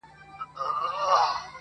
خالق چي د ژوند ټوله عبادت خاورې ايرې کړ